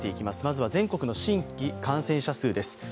まずは全国の新規感染者数です。